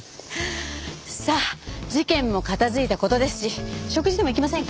さあ事件も片付いた事ですし食事でも行きませんか？